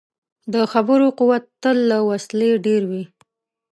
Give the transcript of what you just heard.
د خبرو قوت تل له وسلې ډېر وي.